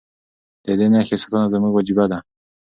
د دې نښې ساتنه زموږ وجیبه ده.